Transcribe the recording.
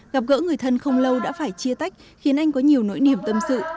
gặp gỡ người thân không lâu đã phải chia tách khiến anh có nhiều nỗi niềm tâm sự